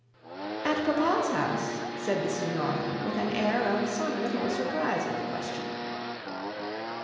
'At papa's house,' said the signora, with an air of some little surprise at the question.